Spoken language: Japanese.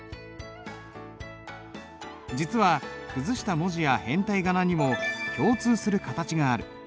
実は崩した文字や変体仮名にも共通する形がある。